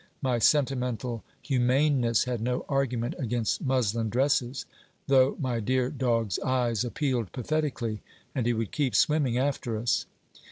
My sentimental humaneness had no argument against muslin dresses, though my dear dog's eyes appealed pathetically, and he would keep swimming after us.